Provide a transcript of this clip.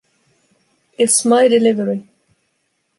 It’s my delivery.